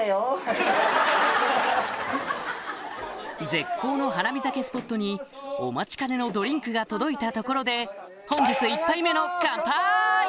絶好の花見酒スポットにお待ちかねのドリンクが届いたところで本日１杯目のカンパイ！